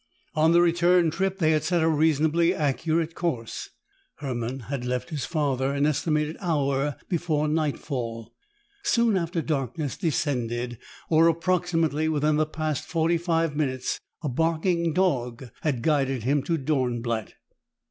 On the return trip, they had set a reasonably accurate course. Hermann had left his father an estimated hour before nightfall. Soon after darkness descended, or approximately within the past forty five minutes, a barking dog had guided him to Dornblatt.